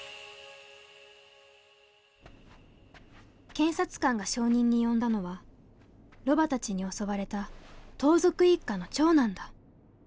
検察官が証人に呼んだのはロバたちに襲われた盗賊一家の長男だ。